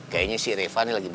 kayaknya si reva ini lagi berubah